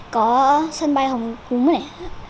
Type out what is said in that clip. có sân bay hồng cúng này